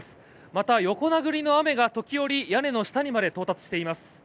また、横殴りの雨が時折屋根の下まで到達しています。